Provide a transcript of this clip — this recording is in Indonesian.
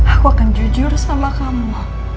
aku akan jujur sama kamu